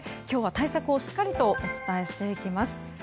今日は対策をしっかりとお伝えしていきます。